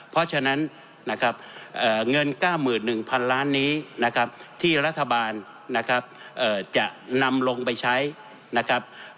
เพราะฉะนั้นนะครับเงิน๙๑๐๐๐ล้านนี้นะครับที่รัฐบาลนะครับจะนำลงไปใช้นะครับ